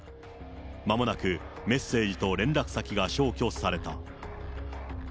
まもなくメッセージと連絡先が消去された。